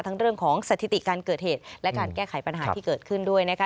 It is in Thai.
เรื่องของสถิติการเกิดเหตุและการแก้ไขปัญหาที่เกิดขึ้นด้วยนะคะ